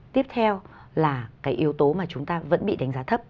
tiếp theo là cái yếu tố mà chúng ta vẫn bị đánh giá thấp